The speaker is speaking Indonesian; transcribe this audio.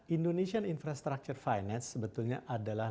indonesian infrastructure finance sebetulnya adalah